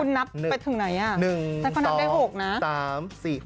คุณนับไปถึงไหน